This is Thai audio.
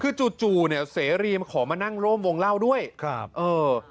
คือจู่จู่เนี่ยเสรีมาขอมานั่งร่วมวงเล่าด้วยครับเออ